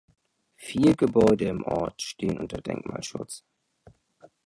Vier Gebäude im Ort stehen unter Denkmalschutz.